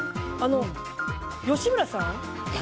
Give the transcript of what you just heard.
吉村さん？